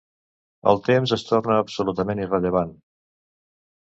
El temps es torna absolutament irrellevant.